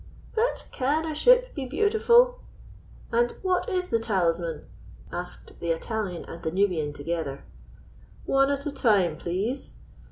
"But can a ship be beautiful?" and "What is the talisman?" asked the Italian and the Nubian together. "One at a time, please.